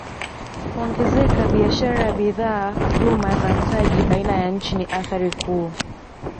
Kuongezeka biashara ya bidhaa huduma na mtaji baina ya nchi ni athari kuu